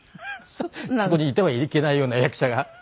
そこにいてはいけないような役者が。